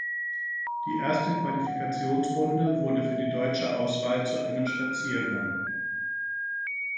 Die erste Qualifikationsrunde wurde für die deutsche Auswahl zu einem Spaziergang.